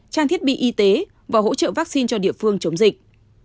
trang thiết bị y tế và hỗ trợ vaccine cho địa phương chống dịch